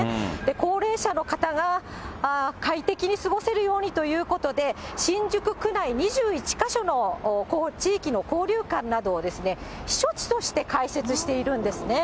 高齢者の方が快適に過ごせるようにということで、新宿区内２１か所の、地域の交流館などを避暑地として開設しているんですね。